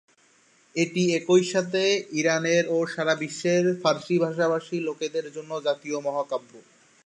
এটি একই সাথে ইরানের ও সারা বিশ্বের ফার্সি ভাষাভাষী লোকদের জন্য জাতীয় মহাকাব্য।